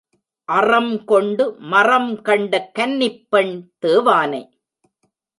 அறம்கொண்டு மறம் கண்ட கன்னிப் பெண் தேவானை.